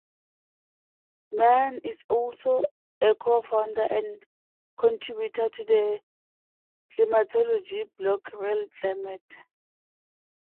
Mann is also a co-founder and contributor to the climatology blog RealClimate.